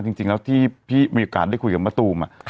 จริงแล้วที่พี่มีโอกาสได้คุยกับมะตูม